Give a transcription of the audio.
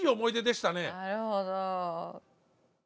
なるほど。